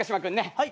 はい。